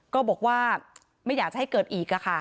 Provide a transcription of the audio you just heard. ก็บอกว่าไม่อยากให้เกิดอีกค่ะค่ะ